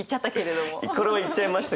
これを言っちゃいましたけど。